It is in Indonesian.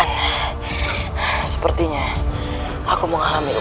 artus kuren yang lunak terhadap ku